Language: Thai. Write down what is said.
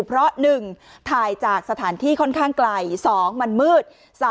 เพราะ๑ถ่ายจากสถานที่ค่อนข้างไกล๒มันมืด